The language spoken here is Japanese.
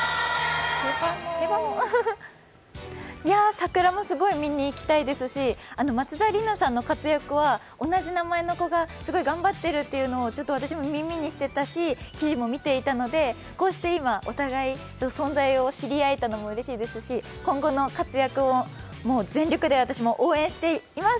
桜もすごい見に行きたいですし松田里奈さんの活躍は同じ名前の子がすごい頑張ってるっていうのを私も耳にしてたし記事も見ていたので、こうして今お互い存在を知り合えたのもうれしいですし今後の活躍を全力で私も応援しています。